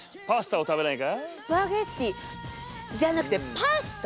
スパゲッティじゃなくてパスタ？